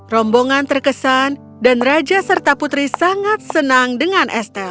rombongan terkesan dan raja serta putri sangat senang dengan estel